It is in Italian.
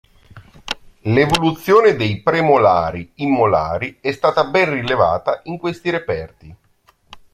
L'evoluzione dei premolari in molari è stata ben rilevata in questi reperti.